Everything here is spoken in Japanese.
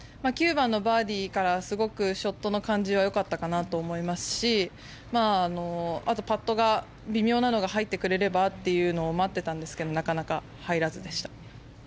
９番のバーディーからすごくショットの感じは良かったかなと思いますしあとパットが微妙なのが入ってくれればというのを待ってたんですけどなかなか入らずでした。